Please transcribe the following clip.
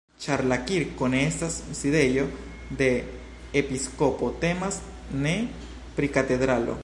Ĉar la kirko ne estas sidejo de episkopo, temas ne pri katedralo.